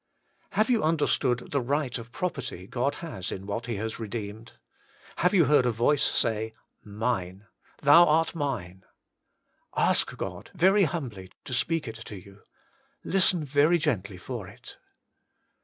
3. Haue you understood the right of property God has in what He has re deemed? Have you heard a voice say, Mine. Thou art Mine. Ash Qod very humbly to speak It to you. Listen aery gently for it.